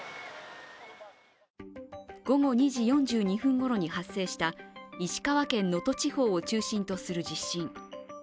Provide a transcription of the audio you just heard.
午後２時４２分ごろに発生した石川県能登地方を中心とする地震。